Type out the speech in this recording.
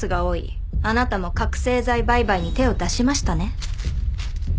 あなたも覚醒剤売買に手を出しましたね。